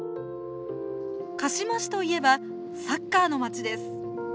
鹿嶋市といえばサッカーの町です。